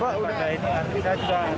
bapak udah datang